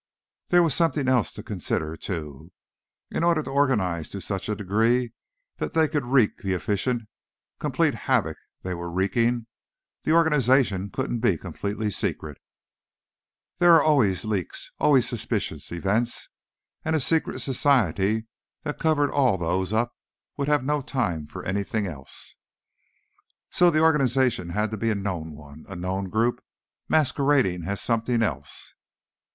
There was something else to consider, too. In order to organize to such a degree that they could wreak the efficient, complete havoc they were wreaking, the organization couldn't be completely secret; there are always leaks, always suspicious events, and a secret society that covered all of those up would have no time for anything else. So the organization had to be a known one, a known group, masquerading as something else.